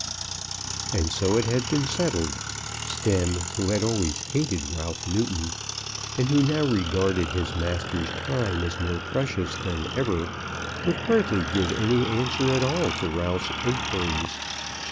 And so it had been settled. Stemm, who had always hated Ralph Newton, and who now regarded his master's time as more precious than ever, would hardly give any answer at all to Ralph's enquiries.